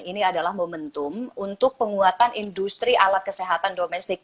ini adalah momentum untuk penguatan industri alat kesehatan domestik